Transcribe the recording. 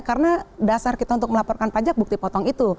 karena dasar kita untuk melaporkan pajak bukti potong itu